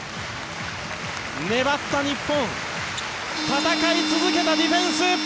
粘った日本戦い続けたディフェンス！